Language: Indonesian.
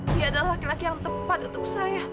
dia adalah laki laki yang tepat untuk saya